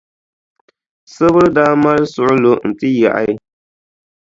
Sibiri daa mali suɣulo n-ti yaɣi.